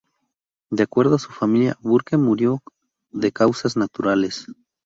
De acuerdo a su familia, Burke murió de causas naturales.